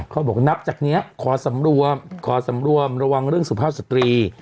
เขาบอกนับจากนี้ขอสำรวมขอสำรวมระวังเรื่องสุภาพสตรี